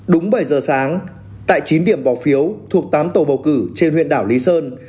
đúng bảy giờ sáng tại chín điểm bỏ phiếu thuộc tám tổ bầu cử trên huyện đảo lý sơn